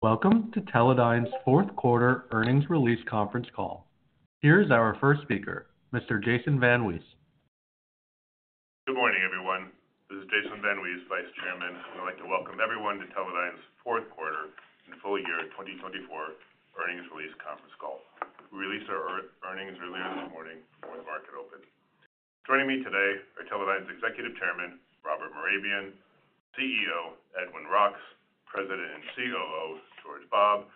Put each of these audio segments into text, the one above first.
Welcome to Teledyne's fourth quarter earnings release conference call. Here is our first speaker, Mr. Jason VanWees. Good morning, everyone. This is Jason VanWees, Vice Chairman, and I'd like to welcome everyone to Teledyne's fourth quarter and full year 2024 earnings release conference call. We released our earnings earlier this morning before the market opened. Joining me today are Teledyne's Executive Chairman, Robert Mehrabian, CEO Edwin Roks, President and COO George Bobb,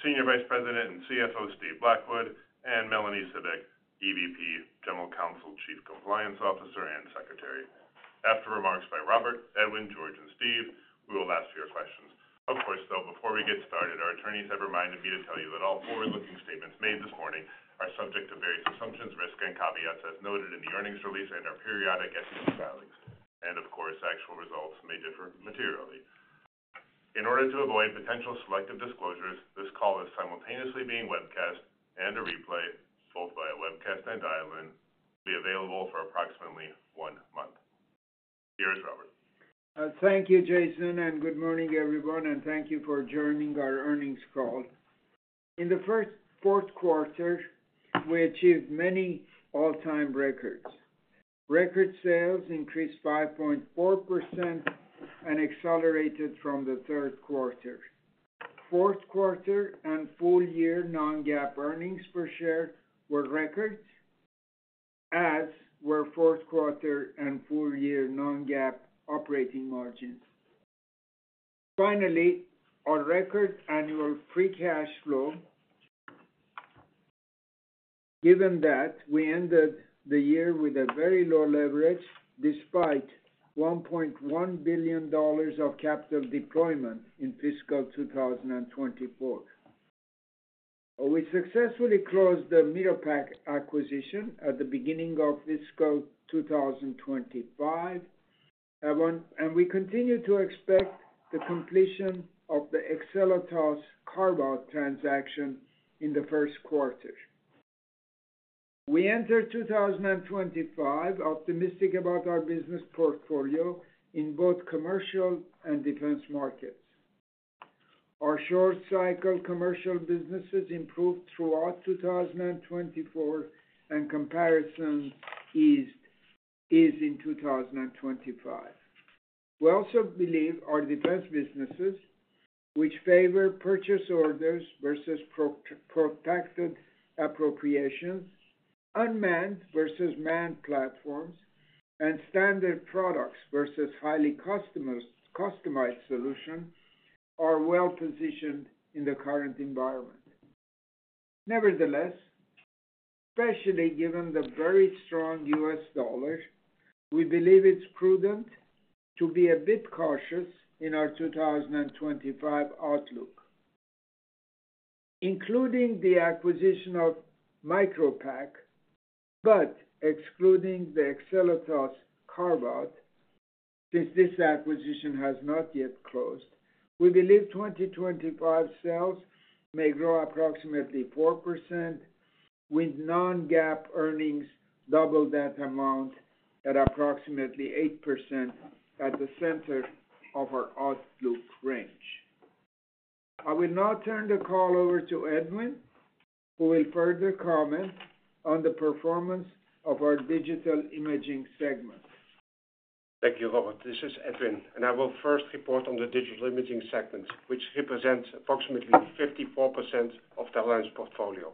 Senior Vice President and CFO Steve Blackwood, and Melanie Cibik, EVP, General Counsel, Chief Compliance Officer, and Secretary. After remarks by Robert, Edwin, George, and Steve, we will ask your questions. Of course, though, before we get started, our attorneys have reminded me to tell you that all forward-looking statements made this morning are subject to various assumptions, risks, and caveats as noted in the earnings release and our periodic SEC filings. And, of course, actual results may differ materially. In order to avoid potential selective disclosures, this call is simultaneously being webcast and a replay, both via webcast and dial-in, to be available for approximately one month. Here is Robert. Thank you, Jason, and good morning, everyone, and thank you for joining our earnings call. In the first quarter, we achieved many all-time records. Record sales increased 5.4% and accelerated from the third quarter. Fourth quarter and full year non-GAAP earnings per share were records, as were fourth quarter and full year non-GAAP operating margins. Finally, our record annual free cash flow. Given that we ended the year with a very low leverage despite $1.1 billion of capital deployment in fiscal 2024. We successfully closed the Micropac acquisition at the beginning of fiscal 2025, and we continue to expect the completion of the Excelitas carve-out transaction in the first quarter. We entered 2025 optimistic about our business portfolio in both commercial and defense markets. Our short-cycle commercial businesses improved throughout 2024, and comparison is in 2025. We also believe our defense businesses, which favor purchase orders versus protected appropriations, unmanned versus manned platforms, and standard products versus highly customized solutions, are well-positioned in the current environment. Nevertheless, especially given the very strong U.S. dollar, we believe it's prudent to be a bit cautious in our 2025 outlook. Including the acquisition of Micropac, but excluding the Excelitas carve-out, since this acquisition has not yet closed, we believe 2025 sales may grow approximately 4%, with non-GAAP earnings double that amount at approximately 8% at the center of our outlook range. I will now turn the call over to Edwin, who will further comment on the performance of our digital imaging segment. Thank you, Robert. This is Edwin, and I will first report on the digital imaging segment, which represents approximately 54% of Teledyne's portfolio.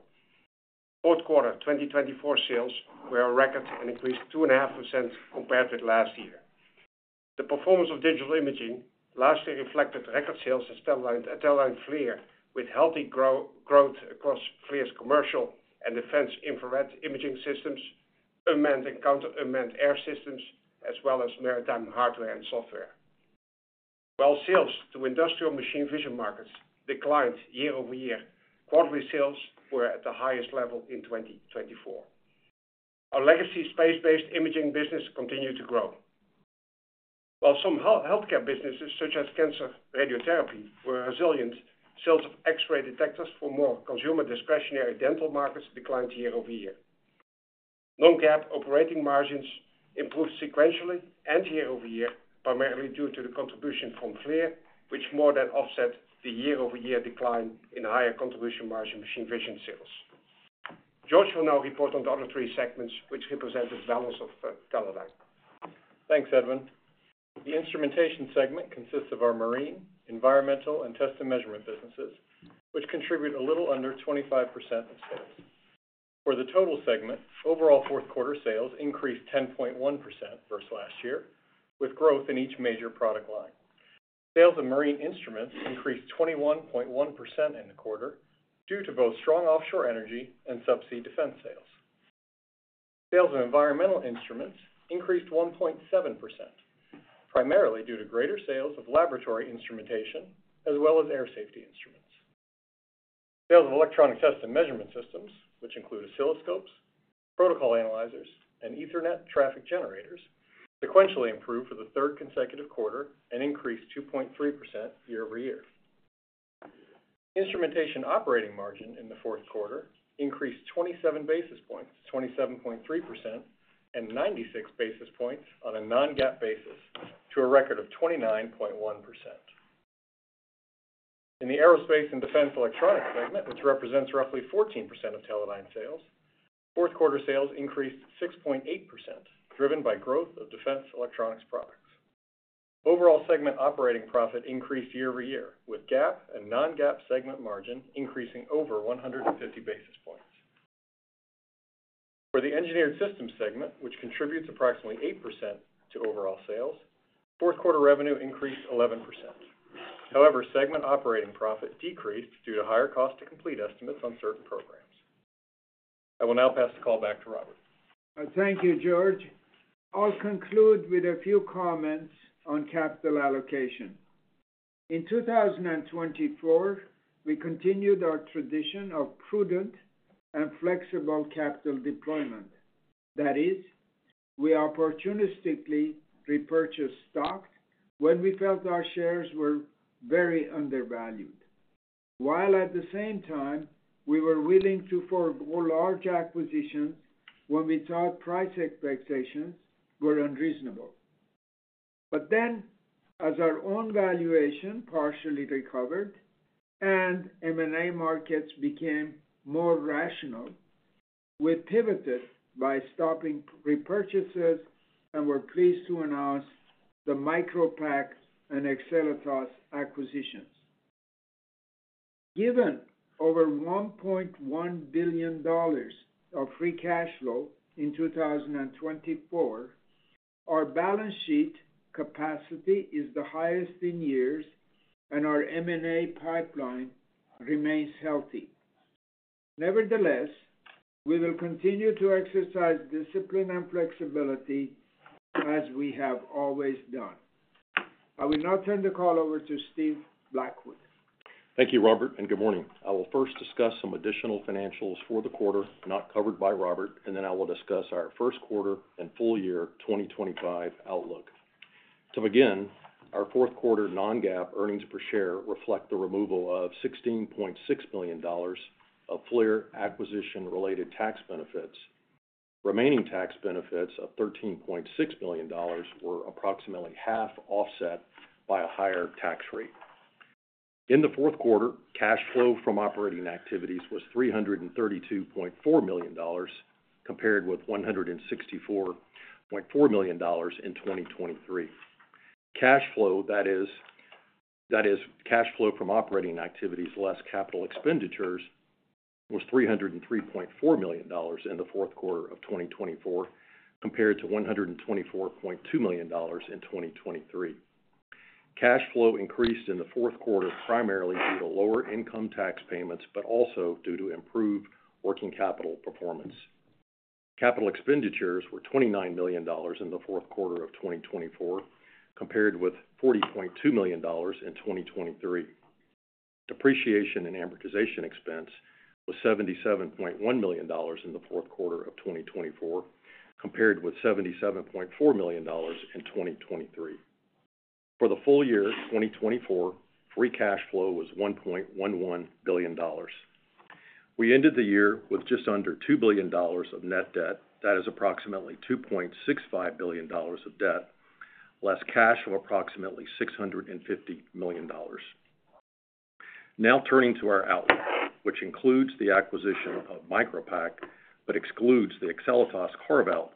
Fourth quarter 2024 sales were at record and increased 2.5% compared with last year. The performance of digital imaging last year reflected record sales at Teledyne FLIR, with healthy growth across FLIR's commercial and defense infrared imaging systems, unmanned and counter-unmanned air systems, as well as maritime hardware and software. While sales to industrial machine vision markets declined year over year, quarterly sales were at the highest level in 2024. Our legacy space-based imaging business continued to grow. While some healthcare businesses, such as cancer radiotherapy, were resilient, sales of X-ray detectors for more consumer discretionary dental markets declined year over year. Non-GAAP operating margins improved sequentially and year over year, primarily due to the contribution from FLIR, which more than offset the year-over-year decline in higher contribution margin machine vision sales. George will now report on the other three segments, which represent the balance of Teledyne. Thanks, Edwin. The instrumentation segment consists of our marine, environmental, and test and measurement businesses, which contribute a little under 25% of sales. For the total segment, overall fourth quarter sales increased 10.1% versus last year, with growth in each major product line. Sales of marine instruments increased 21.1% in the quarter due to both strong offshore energy and subsea defense sales. Sales of environmental instruments increased 1.7%, primarily due to greater sales of laboratory instrumentation as well as air safety instruments. Sales of electronic test and measurement systems, which include oscilloscopes, protocol analyzers, and Ethernet traffic generators, sequentially improved for the third consecutive quarter and increased 2.3% year over year. Instrumentation operating margin in the fourth quarter increased 27 basis points to 27.3% and 96 basis points on a non-GAAP basis to a record of 29.1%. In the aerospace and defense electronics segment, which represents roughly 14% of Teledyne sales, fourth quarter sales increased 6.8%, driven by growth of defense electronics products. Overall segment operating profit increased year over year, with GAAP and non-GAAP segment margin increasing over 150 basis points. For the engineered systems segment, which contributes approximately 8% to overall sales, fourth quarter revenue increased 11%. However, segment operating profit decreased due to higher cost-to-complete estimates on certain programs. I will now pass the call back to Robert. Thank you, George. I'll conclude with a few comments on capital allocation. In 2024, we continued our tradition of prudent and flexible capital deployment. That is, we opportunistically repurchased stock when we felt our shares were very undervalued, while at the same time we were willing to forgo large acquisitions when we thought price expectations were unreasonable. But then, as our own valuation partially recovered and M&A markets became more rational, we pivoted by stopping repurchases and were pleased to announce the Micropac and Excelitas acquisitions. Given over $1.1 billion of free cash flow in 2024, our balance sheet capacity is the highest in years, and our M&A pipeline remains healthy. Nevertheless, we will continue to exercise discipline and flexibility as we have always done. I will now turn the call over to Steve Blackwood. Thank you, Robert, and good morning. I will first discuss some additional financials for the quarter not covered by Robert, and then I will discuss our first quarter and full year 2025 outlook. To begin, our fourth quarter non-GAAP earnings per share reflect the removal of $16.6 billion of FLIR acquisition-related tax benefits. Remaining tax benefits of $13.6 billion were approximately half offset by a higher tax rate. In the fourth quarter, cash flow from operating activities was $332.4 million, compared with $164.4 million in 2023. Cash flow, that is, cash flow from operating activities less capital expenditures was $303.4 million in the fourth quarter of 2024, compared to $124.2 million in 2023. Cash flow increased in the fourth quarter primarily due to lower income tax payments, but also due to improved working capital performance. Capital expenditures were $29 million in the fourth quarter of 2024, compared with $40.2 million in 2023. Depreciation and amortization expense was $77.1 million in the fourth quarter of 2024, compared with $77.4 million in 2023. For the full year, 2024, free cash flow was $1.11 billion. We ended the year with just under $2 billion of net debt. That is approximately $2.65 billion of debt less cash of approximately $650 million. Now turning to our outlook, which includes the acquisition of Micropac but excludes the Excelitas carve-out,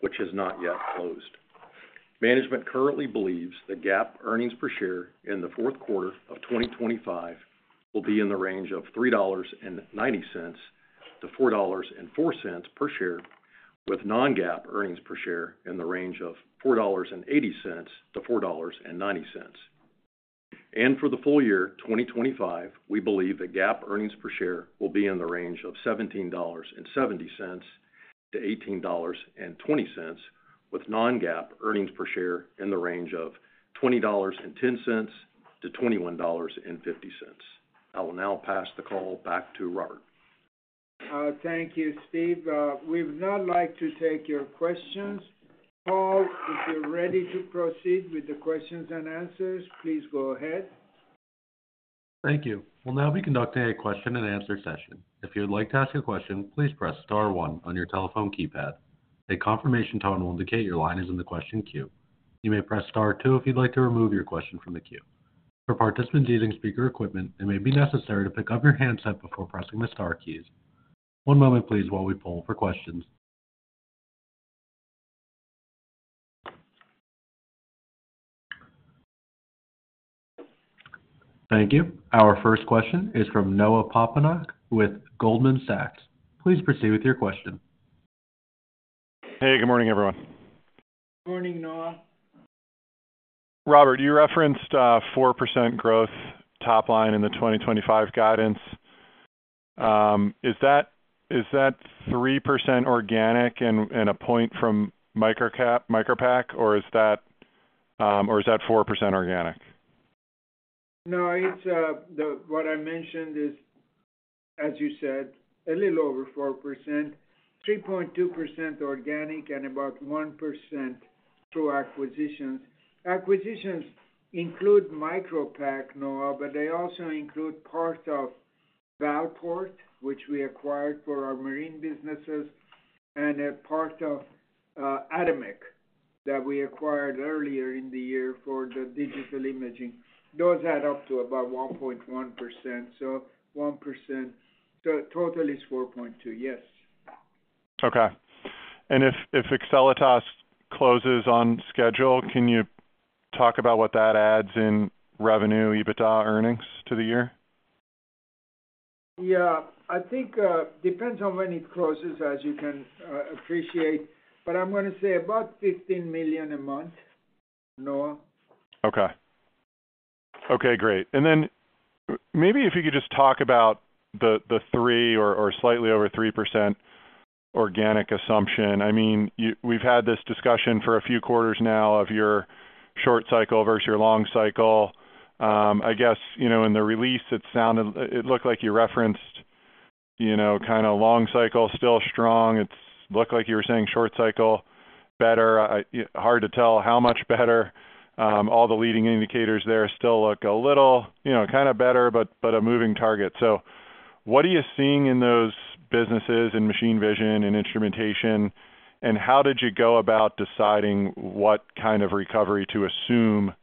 which has not yet closed. Management currently believes the GAAP earnings per share in the fourth quarter of 2025 will be in the range of $3.90 to $4.04 per share, with non-GAAP earnings per share in the range of $4.80 to $4.90. For the full year 2025, we believe the GAAP earnings per share will be in the range of $17.70-$18.20, with non-GAAP earnings per share in the range of $20.10-$21.50. I will now pass the call back to Robert. Thank you, Steve. We would now like to take your questions. Paul, if you're ready to proceed with the questions and answers, please go ahead. Thank you. We'll now be conducting a question-and-answer session. If you'd like to ask a question, please press star one on your telephone keypad. A confirmation tone will indicate your line is in the question queue. You may press star two if you'd like to remove your question from the queue. For participants using speaker equipment, it may be necessary to pick up your handset before pressing the star keys. One moment, please, while we poll for questions. Thank you. Our first question is from Noah Poponok with Goldman Sachs. Please proceed with your question. Hey, good morning, everyone. Good morning, Noah. Robert, you referenced 4% growth top line in the 2025 guidance. Is that 3% organic and a point from Micropac, or is that 4% organic? No, what I mentioned is, as you said, a little over 4%, 3.2% organic, and about 1% through acquisitions. Acquisitions include Micropac, Noah, but they also include part of Valeport, which we acquired for our marine businesses, and a part of Adimec that we acquired earlier in the year for the digital imaging. Those add up to about 1.1%. So 1% total is 4.2%, yes. Okay, and if Excelitas closes on schedule, can you talk about what that adds in revenue, EBITDA earnings to the year? Yeah. I think it depends on when it closes, as you can appreciate. But I'm going to say about $15 million a month, Noah. Okay. Okay, great. And then maybe if you could just talk about the 3% or slightly over 3% organic assumption. I mean, we've had this discussion for a few quarters now of your short cycle versus your long cycle. I guess in the release, it looked like you referenced kind of long cycle still strong. It looked like you were saying short cycle better. Hard to tell how much better. All the leading indicators there still look a little kind of better, but a moving target. So what are you seeing in those businesses in machine vision and instrumentation, and how did you go about deciding what kind of recovery to assume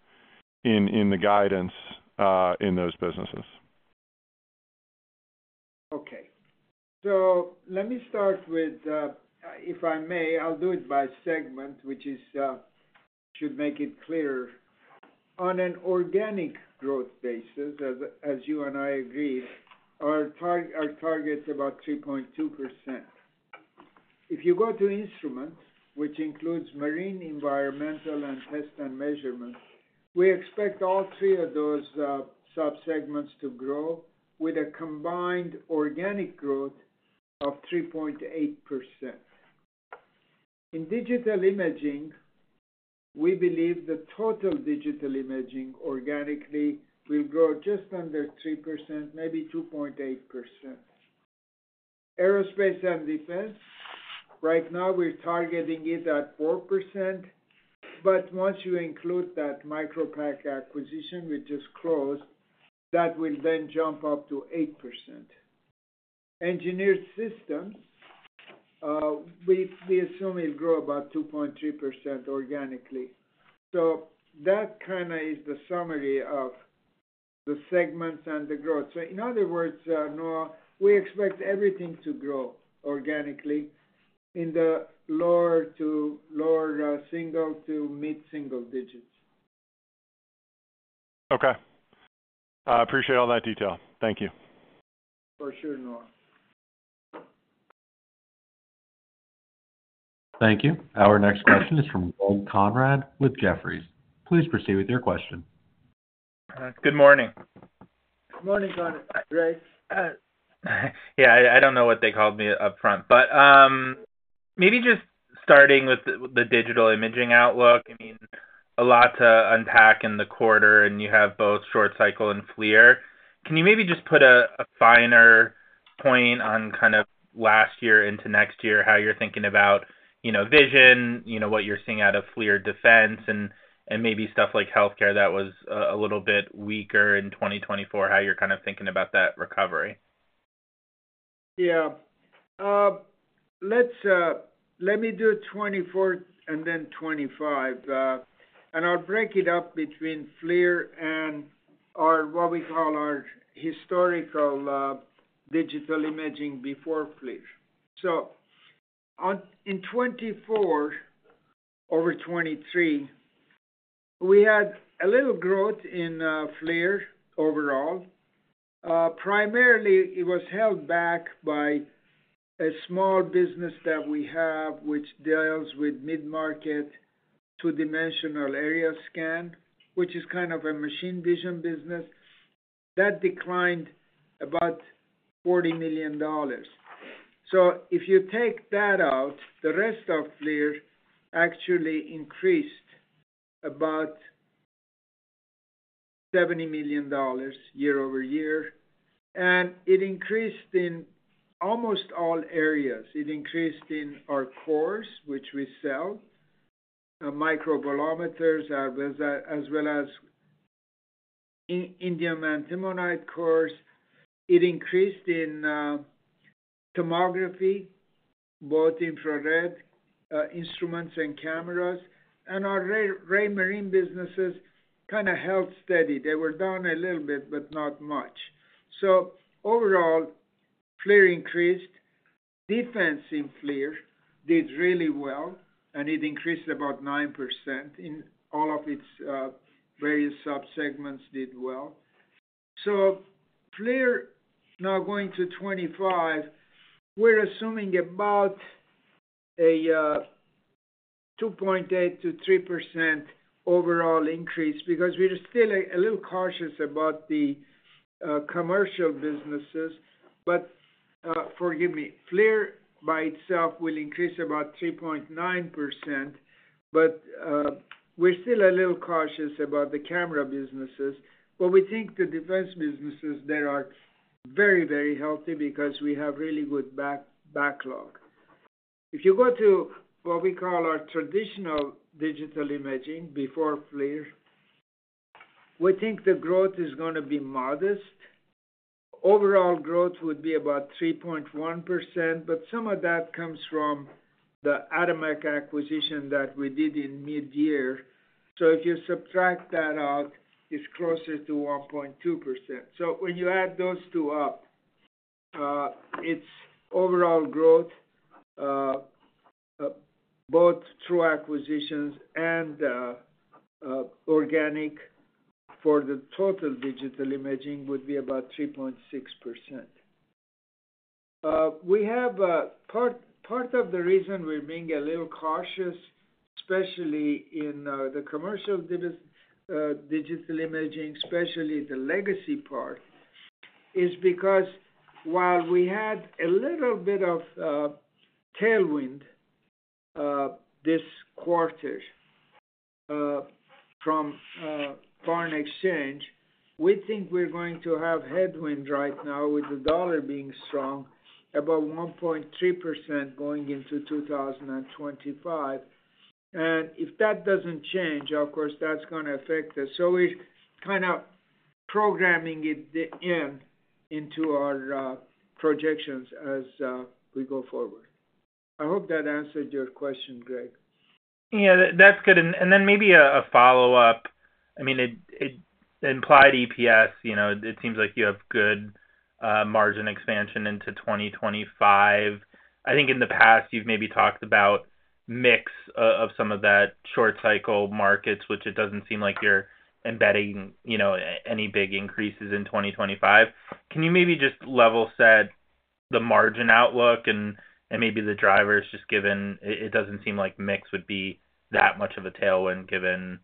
in the guidance in those businesses? Okay, so let me start with, if I may, I'll do it by segment, which should make it clearer. On an organic growth basis, as you and I agreed, our target's about 3.2%. If you go to instruments, which includes marine, environmental, and test and measurement, we expect all three of those subsegments to grow with a combined organic growth of 3.8%. In digital imaging, we believe the total digital imaging organically will grow just under 3%, maybe 2.8%. Aerospace and defense, right now we're targeting it at 4%, but once you include that Micropac acquisition, which just closed, that will then jump up to 8%. Engineered systems, we assume it'll grow about 2.3% organically, so that kind of is the summary of the segments and the growth, so in other words, Noah, we expect everything to grow organically in the lower to lower single to mid-single digits. Okay. I appreciate all that detail. Thank you. For sure, Noah. Thank you. Our next question is from Greg Konrad with Jefferies. Please proceed with your question. Good morning. Good morning, Konrad. Great. Yeah, I don't know what they called me upfront, but maybe just starting with the digital imaging outlook. I mean, a lot to unpack in the quarter, and you have both short cycle and FLIR. Can you maybe just put a finer point on kind of last year into next year, how you're thinking about vision, what you're seeing out of FLIR defense, and maybe stuff like healthcare that was a little bit weaker in 2024, how you're kind of thinking about that recovery? Yeah. Let me do 2024 and then 2025, and I'll break it up between FLIR and what we call our historical digital imaging before FLIR. So in 2024 over 2023, we had a little growth in FLIR overall. Primarily, it was held back by a small business that we have, which deals with mid-market two-dimensional area scan, which is kind of a machine vision business. That declined about $40 million. So if you take that out, the rest of FLIR actually increased about $70 million year over year, and it increased in almost all areas. It increased in our cores, which we sell, microbolometers, as well as indium antimonide cores. It increased in tomography, both infrared instruments and cameras, and our marine businesses kind of held steady. They were down a little bit, but not much. So overall, FLIR increased. Defense in FLIR did really well, and it increased about 9%. All of its various subsegments did well. So FLIR now going to 2025, we're assuming about a 2.8%-3% overall increase because we're still a little cautious about the commercial businesses. But forgive me, FLIR by itself will increase about 3.9%, but we're still a little cautious about the camera businesses. But we think the defense businesses that are very, very healthy because we have really good backlog. If you go to what we call our traditional digital imaging before FLIR, we think the growth is going to be modest. Overall growth would be about 3.1%, but some of that comes from the Adimec acquisition that we did in mid-year. So if you subtract that out, it's closer to 1.2%. So when you add those two up, its overall growth, both through acquisitions and organic for the total digital imaging, would be about 3.6%. We have part of the reason we're being a little cautious, especially in the commercial digital imaging, especially the legacy part, is because while we had a little bit of tailwind this quarter from foreign exchange, we think we're going to have headwind right now with the dollar being strong, about 1.3% going into 2025. And if that doesn't change, of course, that's going to affect us. So we're kind of programming it into our projections as we go forward. I hope that answered your question, Greg. Yeah, that's good. And then maybe a follow-up. I mean, it implied EPS. It seems like you have good margin expansion into 2025. I think in the past, you've maybe talked about mix of some of that short cycle markets, which it doesn't seem like you're embedding any big increases in 2025. Can you maybe just level set the margin outlook and maybe the drivers, just given it doesn't seem like mix would be that much of a tailwind given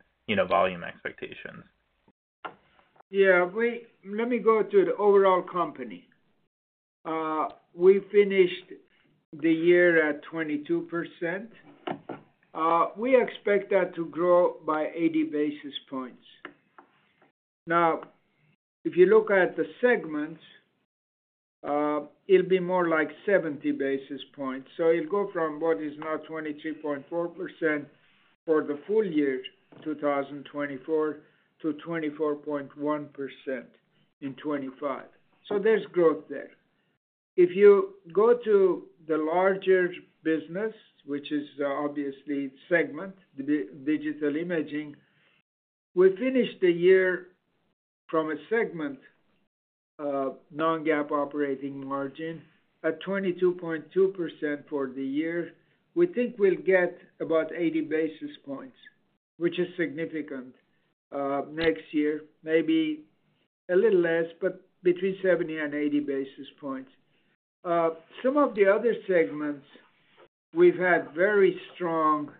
volume expectations? Yeah. Let me go to the overall company. We finished the year at 22%. We expect that to grow by 80 basis points. Now, if you look at the segments, it'll be more like 70 basis points. So it'll go from what is now 23.4% for the full year, 2024, to 24.1% in 2025. So there's growth there. If you go to the larger business, which is obviously segment, digital imaging, we finished the year from a segment non-GAAP operating margin at 22.2% for the year. We think we'll get about 80 basis points, which is significant next year, maybe a little less, but between 70 and 80 basis points. Some of the other segments, we've had very strong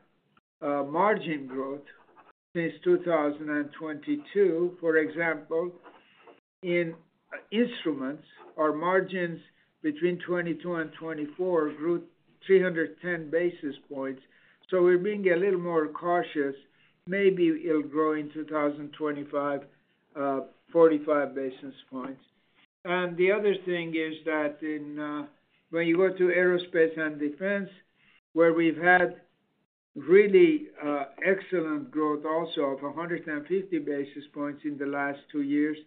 margin growth since 2022. For example, in instruments, our margins between 2022 and 2024 grew 310 basis points. So we're being a little more cautious. Maybe it'll grow in 2025, 45 basis points, and the other thing is that when you go to aerospace and defense, where we've had really excellent growth also of 150 basis points in the last two years,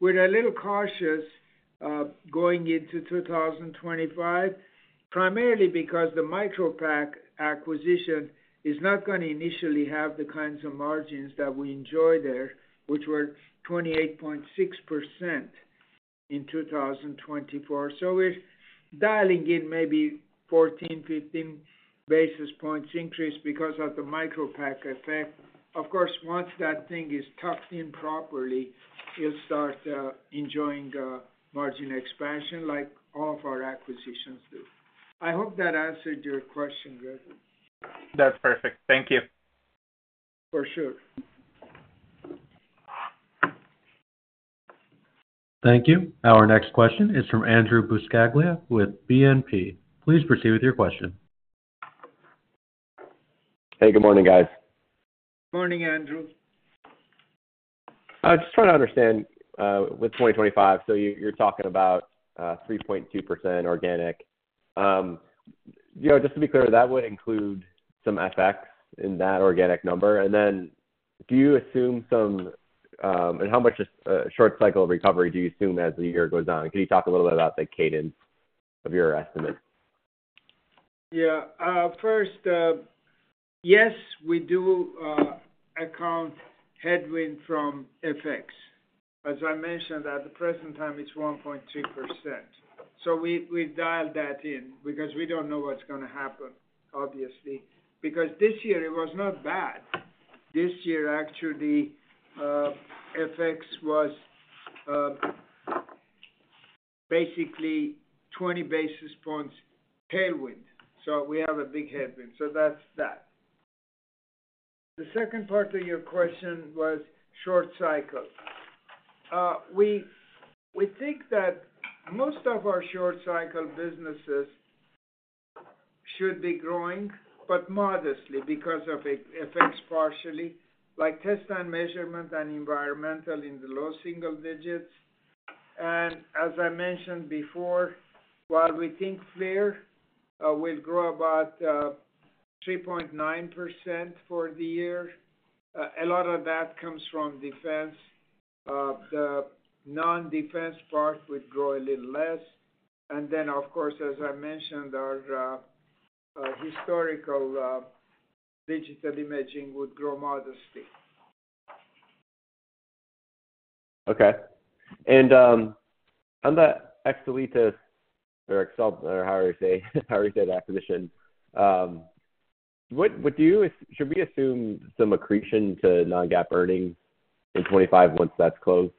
we're a little cautious going into 2025, primarily because the Micropac acquisition is not going to initially have the kinds of margins that we enjoy there, which were 28.6% in 2024, so we're dialing in maybe 14, 15 basis points increase because of the Micropac effect. Of course, once that thing is tucked in properly, you'll start enjoying margin expansion like all of our acquisitions do. I hope that answered your question, Greg. That's perfect. Thank you. For sure. Thank you. Our next question is from Andrew Buscaglia with BNP. Please proceed with your question. Hey, good morning, guys. Morning, Andrew. I just want to understand with 2025, so you're talking about 3.2% organic. Just to be clear, that would include some FX in that organic number. And then do you assume some and how much short cycle recovery do you assume as the year goes on? Can you talk a little bit about the cadence of your estimate? Yeah. First, yes, we do account for headwind from FX. As I mentioned, at the present time, it's 1.3%. We dialed that in because we don't know what's going to happen, obviously, because this year it was not bad. This year, actually, FX was basically 20 basis points tailwind. We have a big headwind. That's that. The second part of your question was short cycle. We think that most of our short cycle businesses should be growing, but modestly because of FX partially, like test and measurement and environmental in the low single digits, and as I mentioned before, while we think FLIR will grow about 3.9% for the year, a lot of that comes from defense. The non-defense part would grow a little less, and then, of course, as I mentioned, our historical digital imaging would grow modestly. Okay, and on the Excelitas or Excel or however you say the acquisition, should we assume some accretion to non-GAAP earnings in 2025 once that's closed?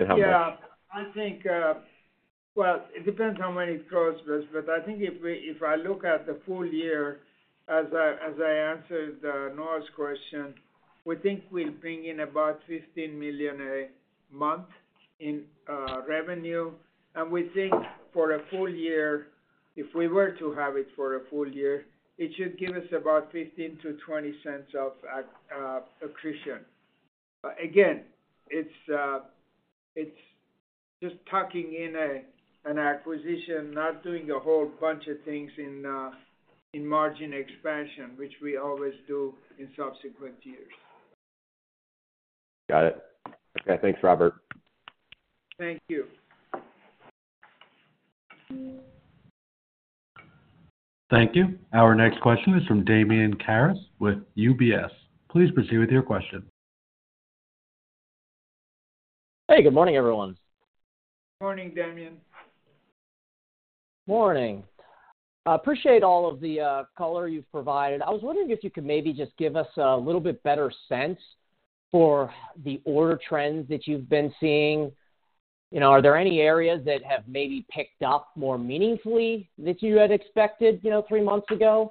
Yeah. I think, well, it depends on when it closes, but I think if I look at the full year, as I answered Noah's question, we think we'll bring in about $15 million a month in revenue. We think for a full year, if we were to have it for a full year, it should give us about $0.15-$0.20 of accretion. Again, it's just tucking in an acquisition, not doing a whole bunch of things in margin expansion, which we always do in subsequent years. Got it. Okay. Thanks, Robert. Thank you. Thank you. Our next question is from Damian Karas with UBS. Please proceed with your question. Hey, good morning, everyone. Morning, Damien. Morning. Appreciate all of the color you've provided. I was wondering if you could maybe just give us a little bit better sense for the order trends that you've been seeing. Are there any areas that have maybe picked up more meaningfully than you had expected three months ago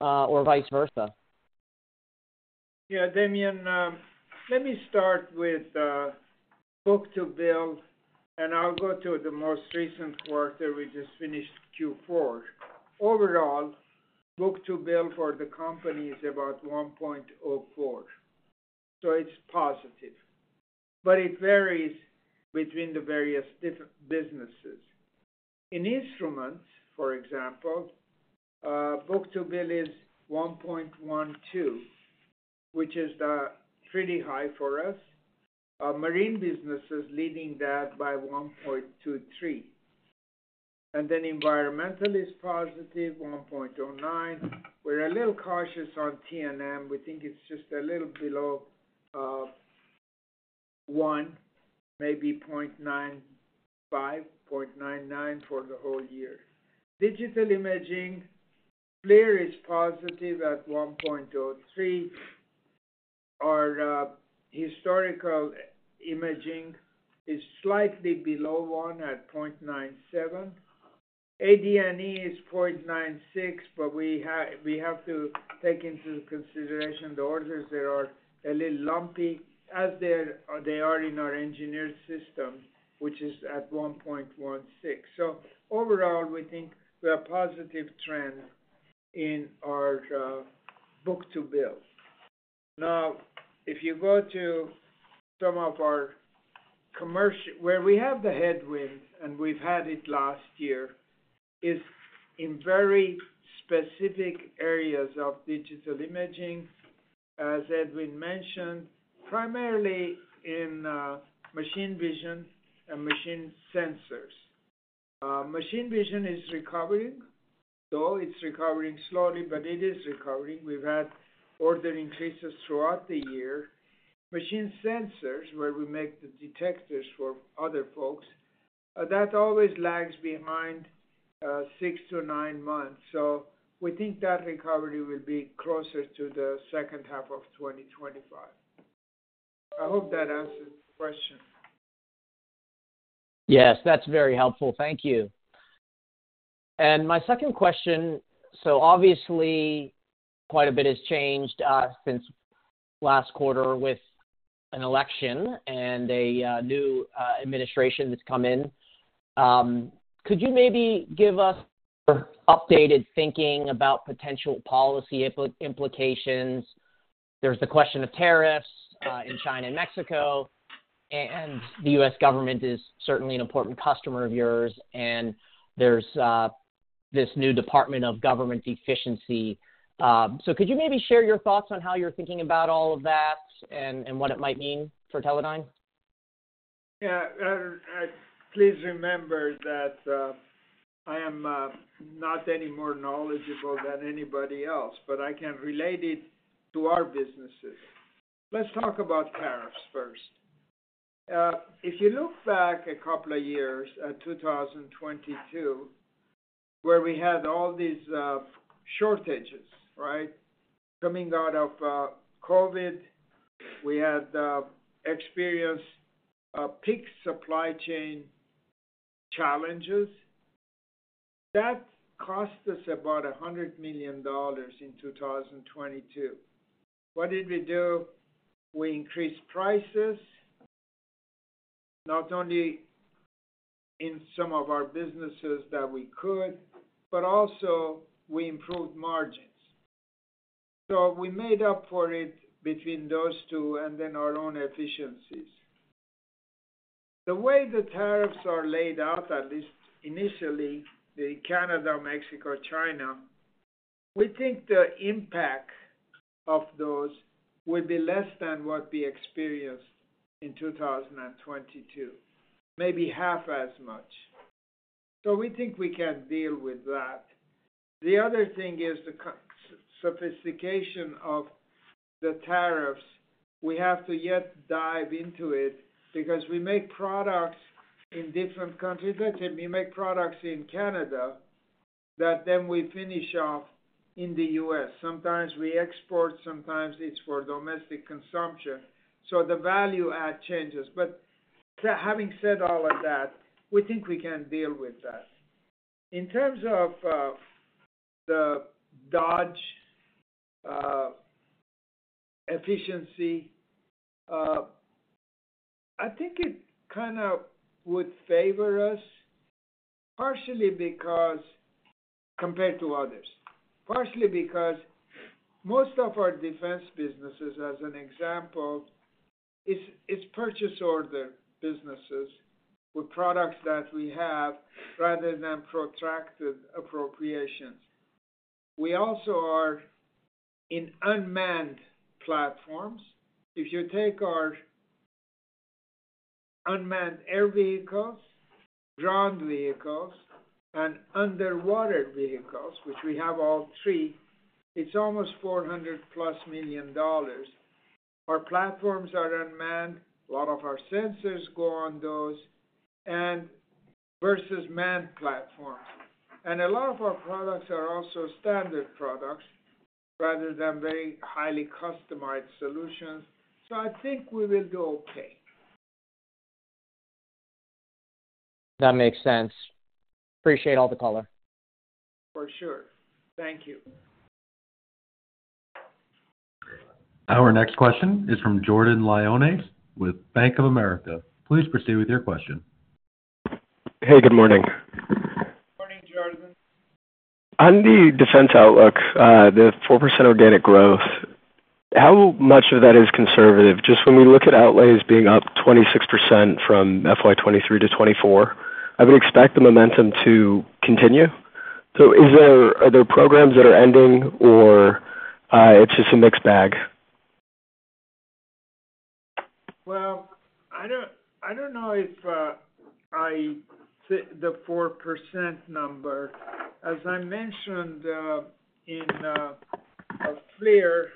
or vice versa? Yeah. Damian, let me start with book-to-bill, and I'll go to the most recent quarter. We just finished Q4. Overall, book-to-bill for the company is about 1.04. So it's positive, but it varies between the various businesses. In instruments, for example, book-to-bill is 1.12, which is pretty high for us. Marine businesses leading that by 1.23. And then environmental is positive, 1.09. We're a little cautious on T&M. We think it's just a little below 1, maybe 0.95, 0.99 for the whole year. Digital imaging, FLIR is positive at 1.03. Our historical imaging is slightly below 1 at 0.97. Adimec is 0.96, but we have to take into consideration the orders that are a little lumpy as they are in our engineered system, which is at 1.16. So overall, we think we have positive trends in our book-to-bill. Now, if you go to some of our commercial where we have the headwind, and we've had it last year, it's in very specific areas of digital imaging, as Edwin mentioned, primarily in machine vision and machine sensors. Machine vision is recovering. So it's recovering slowly, but it is recovering. We've had order increases throughout the year. Machine sensors, where we make the detectors for other folks, that always lags behind six-to-nine months. So we think that recovery will be closer to the second half of 2025. I hope that answers the question. Yes, that's very helpful. Thank you. And my second question, so obviously, quite a bit has changed since last quarter with an election and a new administration that's come in. Could you maybe give us updated thinking about potential policy implications? There's the question of tariffs in China and Mexico, and the U.S. government is certainly an important customer of yours, and there's this new Department of Government Efficiency. So could you maybe share your thoughts on how you're thinking about all of that and what it might mean for Teledyne? Yeah. Please remember that I am not any more knowledgeable than anybody else, but I can relate it to our businesses. Let's talk about tariffs first. If you look back a couple of years at 2022, where we had all these shortages, right, coming out of COVID, we had experienced peak supply chain challenges. That cost us about $100 million in 2022. What did we do? We increased prices, not only in some of our businesses that we could, but also we improved margins. So we made up for it between those two and then our own efficiencies. The way the tariffs are laid out, at least initially, the Canada, Mexico, China, we think the impact of those will be less than what we experienced in 2022, maybe half as much. So we think we can deal with that. The other thing is the sophistication of the tariffs. We have to yet dive into it because we make products in different countries. Let's say we make products in Canada that then we finish off in the US. Sometimes we export. Sometimes it's for domestic consumption. So the value add changes. But having said all of that, we think we can deal with that. In terms of the DOGE efficiency, I think it kind of would favor us partially because compared to others, partially because most of our defense businesses, as an example, it's purchase order businesses with products that we have rather than protracted appropriations. We also are in unmanned platforms. If you take our unmanned air vehicles, ground vehicles, and underwater vehicles, which we have all three, it's almost $400-plus million. Our platforms are unmanned. A lot of our sensors go on those versus manned platforms. A lot of our products are also standard products rather than very highly customized solutions. I think we will do okay. That makes sense. Appreciate all the color. For sure. Thank you. Our next question is from Jordan Lyonnais with Bank of America. Please proceed with your question. Hey, good morning. Morning, Jordan. On the defense outlook, the 4% organic growth, how much of that is conservative? Just when we look at outlays being up 26% from FY 2023 to 2024, I would expect the momentum to continue. So are there programs that are ending, or it's just a mixed bag? I don't know if I buy the 4% number. As I mentioned in FLIR,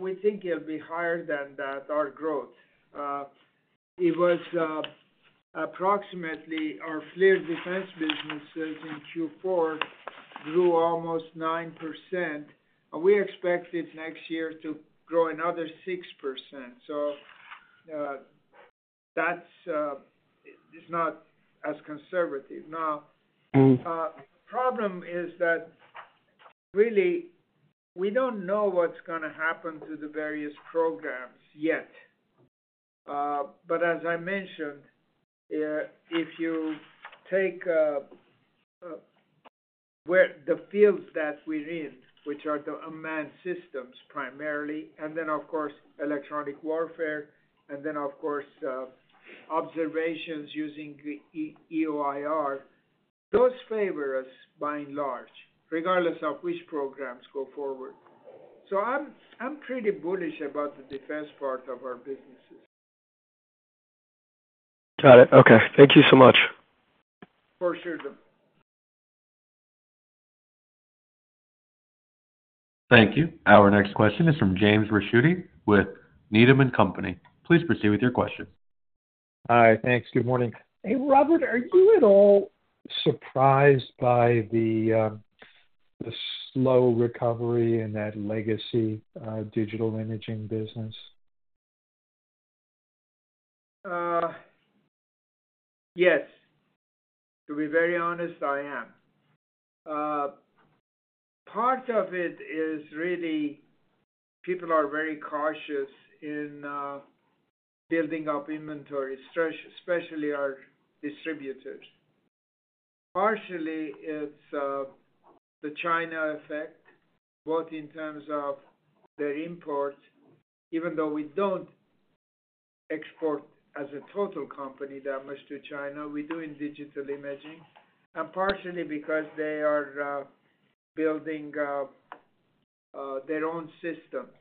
we think it'll be higher than that, our growth. It was approximately 9%, our FLIR defense businesses in Q4 grew almost 9%. We expect it next year to grow another 6%. That's not as conservative. Now, the problem is that really we don't know what's going to happen to the various programs yet. But as I mentioned, if you take the fields that we're in, which are the unmanned systems primarily, and then, of course, electronic warfare, and then, of course, observations using EO/IR, those favor us by and large, regardless of which programs go forward. I'm pretty bullish about the defense part of our businesses. Got it. Okay. Thank you so much. For sure. Thank you. Our next question is from James Ricchiuti with Needham & Company. Please proceed with your question. Hi. Thanks. Good morning. Hey, Robert, are you at all surprised by the slow recovery in that legacy digital imaging business? Yes. To be very honest, I am. Part of it is really people are very cautious in building up inventory, especially our distributors. Partially, it's the China effect, both in terms of their imports, even though we don't export as a total company that much to China. We do in digital imaging, and partially because they are building their own systems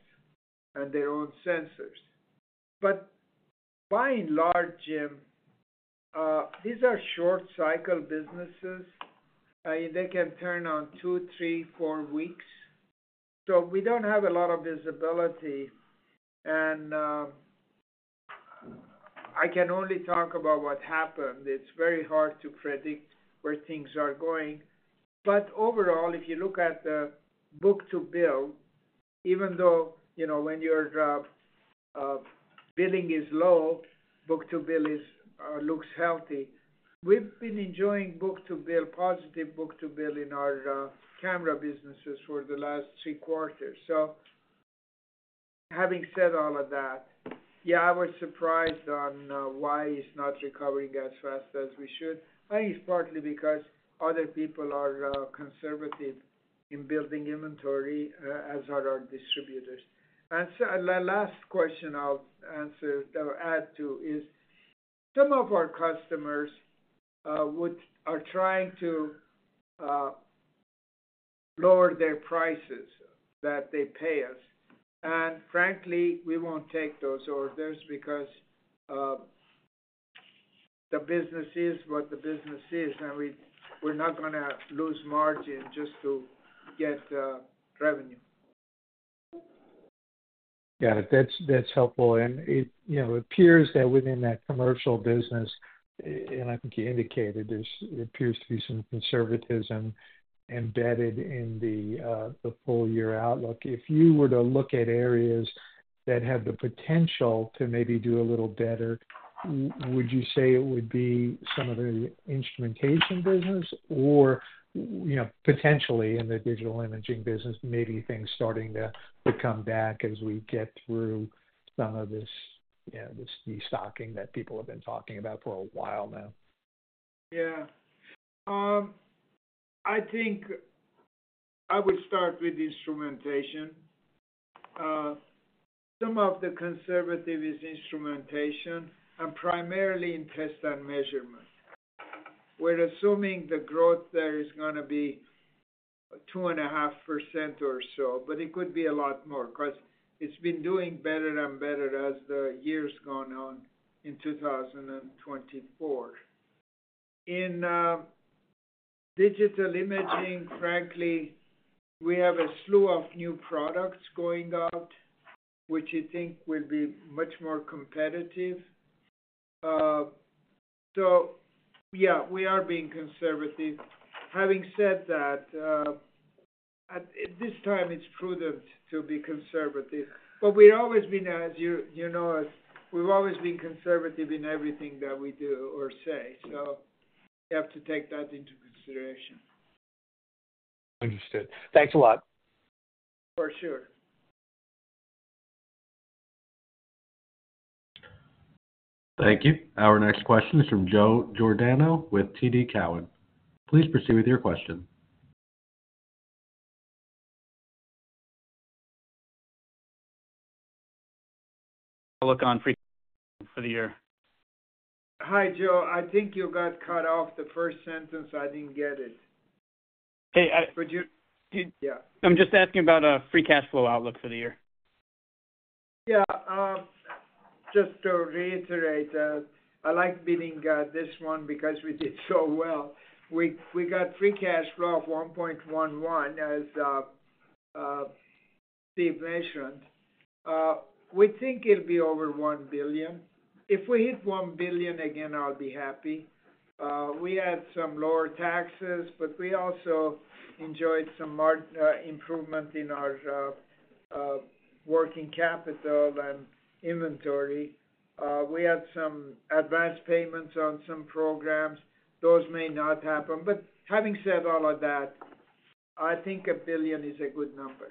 and their own sensors. But by and large, these are short-cycle businesses. They can turn on two, three, four weeks. So we don't have a lot of visibility. And I can only talk about what happened. It's very hard to predict where things are going. But overall, if you look at the book-to-bill, even though when your billing is low, book-to-bill looks healthy, we've been enjoying book-to-bill, positive book-to-bill in our camera businesses for the last three quarters. So, having said all of that, yeah, I was surprised on why it's not recovering as fast as we should. I think it's partly because other people are conservative in building inventory, as are our distributors. And so the last question I'll add to is some of our customers are trying to lower their prices that they pay us. And frankly, we won't take those orders because the business is what the business is, and we're not going to lose margin just to get revenue. Got it. That's helpful. And it appears that within that commercial business, and I think you indicated there appears to be some conservatism embedded in the full-year outlook. If you were to look at areas that have the potential to maybe do a little better, would you say it would be some of the instrumentation business or potentially in the digital imaging business, maybe things starting to come back as we get through some of this stocking that people have been talking about for a while now? Yeah. I think I would start with instrumentation. Some of the conservatism is instrumentation and primarily in test and measurement. We're assuming the growth there is going to be 2.5% or so, but it could be a lot more because it's been doing better and better as the years gone on in 2024. In digital imaging, frankly, we have a slew of new products going out, which I think will be much more competitive. So yeah, we are being conservative. Having said that, at this time, it's prudent to be conservative. But we've always been, as you know, we've always been conservative in everything that we do or say. So you have to take that into consideration. Understood. Thanks a lot. For sure. Thank you. Our next question is from Joe Giordano with TD Cowen. Please proceed with your question. Outlook on free cash flow for the year? Hi, Joe. I think you got cut off the first sentence. I didn't get it. Hey. Yeah. I'm just asking about free cash flow outlook for the year. Yeah. Just to reiterate, I like bidding this one because we did so well. We got free cash flow of $1.11 billion, as Steve mentioned. We think it'll be over $1 billion. If we hit $1 billion again, I'll be happy. We had some lower taxes, but we also enjoyed some improvement in our working capital and inventory. We had some advance payments on some programs. Those may not happen. But having said all of that, I think $1 billion is a good number.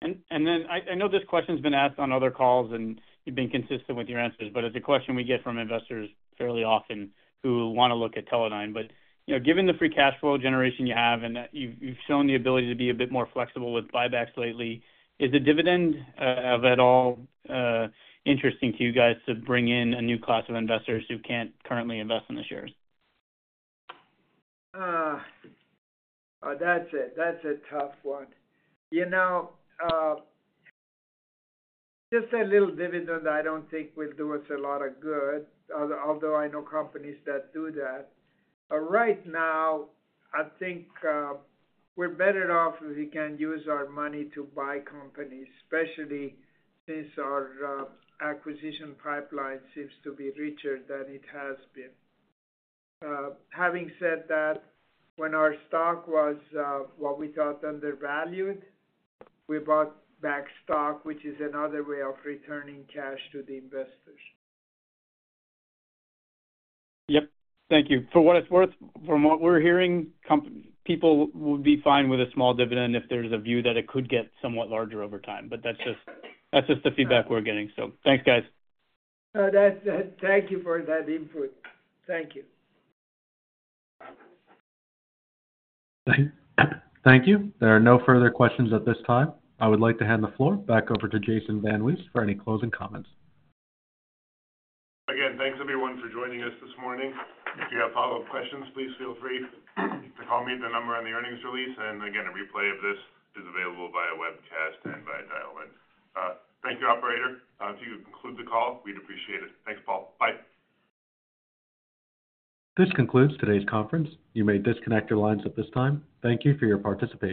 And then I know this question has been asked on other calls, and you've been consistent with your answers, but it's a question we get from investors fairly often who want to look at Teledyne. But given the free cash flow generation you have and you've shown the ability to be a bit more flexible with buybacks lately, is the dividend at all interesting to you guys to bring in a new class of investors who can't currently invest in the shares? That's a tough one. Just a little dividend, I don't think will do us a lot of good, although I know companies that do that. Right now, I think we're better off if we can use our money to buy companies, especially since our acquisition pipeline seems to be richer than it has been. Having said that, when our stock was what we thought undervalued, we bought back stock, which is another way of returning cash to the investors. Yep. Thank you. For what it's worth, from what we're hearing, people would be fine with a small dividend if there's a view that it could get somewhat larger over time. But that's just the feedback we're getting. So thanks, guys. Thank you for that input. Thank you. Thank you. There are no further questions at this time. I would like to hand the floor back over to Jason VanWees for any closing comments. Again, thanks everyone for joining us this morning. If you have follow-up questions, please feel free to call me at the number on the earnings release. And again, a replay of this is available via webcast and via dial-in. Thank you, operator. If you could conclude the call, we'd appreciate it. Thanks, Paul. Bye. This concludes today's conference. You may disconnect your lines at this time. Thank you for your participation.